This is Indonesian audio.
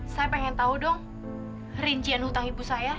saya pengen tahu dong rincian hutang ibu saya